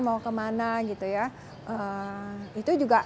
mau kemana gitu ya